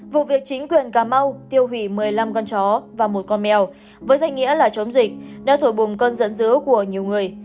vụ việc chính quyền cà mau tiêu hủy một mươi năm con chó và một con mèo với danh nghĩa là chống dịch đã thổi bùng con dẫn dỡ của nhiều người